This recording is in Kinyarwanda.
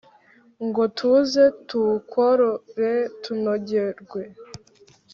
ngo tuze tukurore tunogerwe